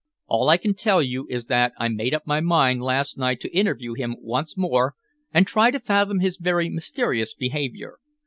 "All I can tell you is that I made up my mind last night to interview him once more and try to fathom his very mysterious behaviour.